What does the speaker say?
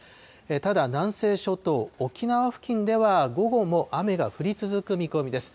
ただ、南西諸島、沖縄付近では、午後も雨が降り続く見込みです。